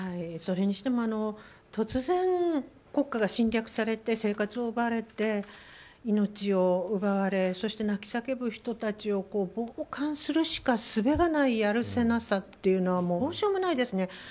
それにしても、突然国家が侵略されて生活を奪われて、命を奪われそして泣き叫ぶ人たちを傍観するしかすべがないやるせなさというのはどうしようもないですね。